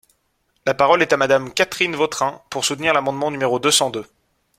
La parole est à Madame Catherine Vautrin, pour soutenir l’amendement numéro deux cent deux.